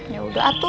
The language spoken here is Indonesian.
ya udah atu